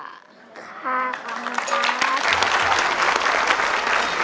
ค่ะขอบคุณครับ